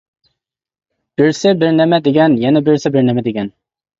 بىرسى بىرنېمە دېگەن، يەنە بىرسى بىرنېمە دېگەن.